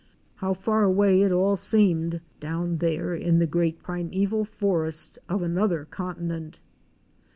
How far away it all seemed, down there in the great primeval forest of another continent!